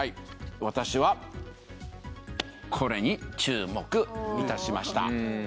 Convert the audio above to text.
私はこれに注目いたしました。